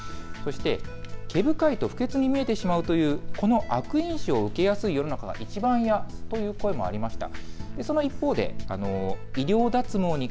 そして毛深いと不潔に見えてしまうというこの悪印象を受けやすい世の中がいちばん嫌という声もありました。